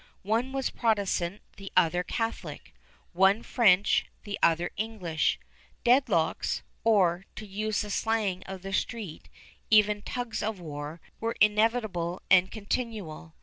One was Protestant, the other Catholic; one French, the other English. Deadlocks, or, to use the slang of the street, even tugs of war, were inevitable and continual.